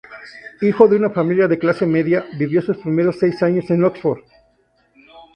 Hijo de una familia de clase media, vivió sus primeros seis años en Oxford.